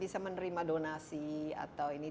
bisa menerima donasi atau ini